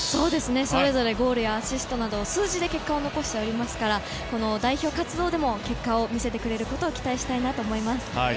それぞれゴールやアシストなど数字で結果を残しておりますから代表活動でも結果を見せてくれることを期待したいなと思います。